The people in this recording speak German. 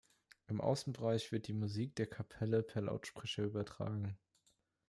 Im Außenbereich wird die Musik der Kapelle per Lautsprecher übertragen.